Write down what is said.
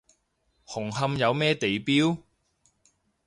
紅磡有咩地標？